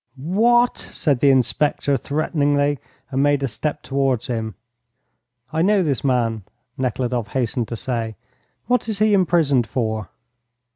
"Wha a t?" said the inspector threateningly, and made a step towards him. "I know this man," Nekhludoff hastened to say; "what is he imprisoned for?"